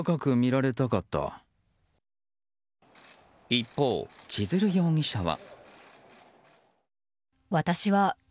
一方、千鶴容疑者は。